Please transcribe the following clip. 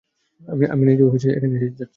আমি নিজেও এখান সেখানে যাচ্ছি।